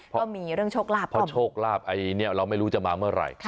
ก็มีเรื่องโชคลาบของเพราะโชคลาบเราไม่รู้จะมาเมื่อไหร่